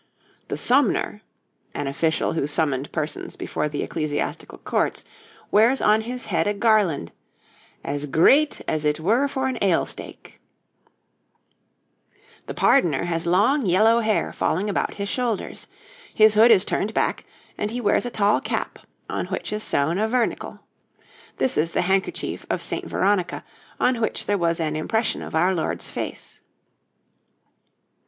THE SOMNOUR (an officer who summoned persons before the ecclesiastical courts) wears on his head a garland 'as greet as it were for an ale stake.' [Illustration: {The pardoner}] THE PARDONER has long yellow hair falling about his shoulders; his hood is turned back, and he wears a tall cap, on which is sewn a Vernicle. This is the handkerchief of St. Veronica on which there was an impression of our Lord's face.